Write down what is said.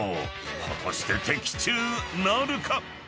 ［果たして的中なるか？］